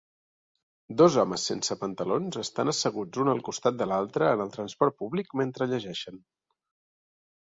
Dos homes sense pantalons estan asseguts un al costat de l'altre en el transport públic mentre llegeixen